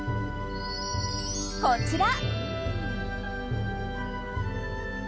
こちら。